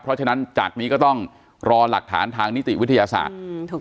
เพราะฉะนั้นจากนี้ก็ต้องรอหลักฐานทางนิติวิทยาศาสตร์